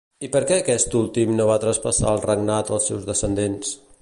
I per què aquest últim no va traspassar el regnat als seus descendents?